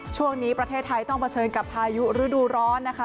ช่วงนี้ประเทศไทยต้องเผชิญกับพายุฤดูร้อนนะคะ